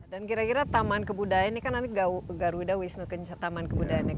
dan kira kira taman kebudayaan ini kan nanti garuda wisnu ke taman kebudayaan ini